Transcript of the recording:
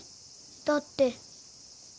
だって。